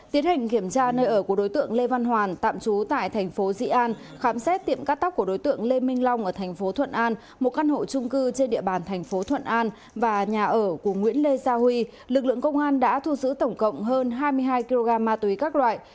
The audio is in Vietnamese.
tiến hành kiểm tra nơi ở của đối tượng lê văn hoàn tạm trú tại thành phố dị an khám xét tiệm cắt tóc của đối tượng lê minh long ở thành phố thuận an một căn hộ trung cư trên địa bàn thành phố thuận an và nhà ở của nguyễn lê gia huy lực lượng công an đã thu giữ tổng cộng hơn hai mươi hai kg ma túy các loại